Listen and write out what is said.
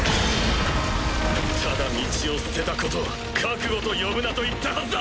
ただ道を捨てたことを覚悟と呼ぶなと言ったはずだ！